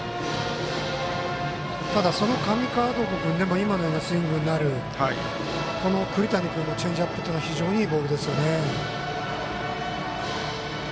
その上川床君でも今のようなスイングになる黒木君のチェンジアップは非常にいいボールですよね。